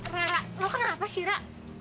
rara lo kan kenapa sih ra